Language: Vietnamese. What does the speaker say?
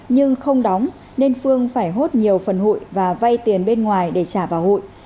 nhưng không đóng nên phương phải hút nhiều phần hụi và vây tiền bên ngoài để trả vào hụi